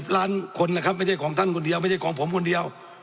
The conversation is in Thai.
ล้านคนนะครับไม่ใช่ของท่านคนเดียวไม่ใช่ของผมคนเดียว